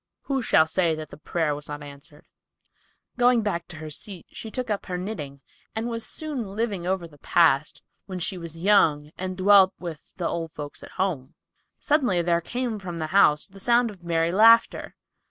Who shall say that the prayer was not answered? Going back to her seat, she took up her knitting and was soon living over the past, when she was young and dwelt with "the old folks at home." Suddenly there came from the house the sound of merry laughter.